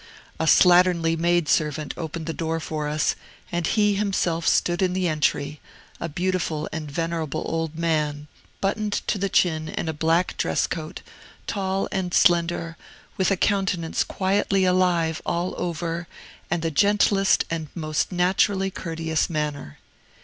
A slatternly maid servant opened the door for us, and he himself stood in the entry, a beautiful and venerable old man, buttoned to the chin in a black dress coat, tall and slender, with a countenance quietly alive all over, and the gentlest and most naturally courteous manner.